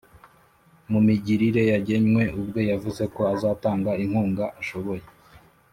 mu migirire yagennye ubwe yavuze ko azatanga inkunga ashoboye